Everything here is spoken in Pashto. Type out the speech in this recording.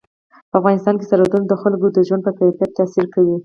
په افغانستان کې سرحدونه د خلکو د ژوند په کیفیت تاثیر کوي.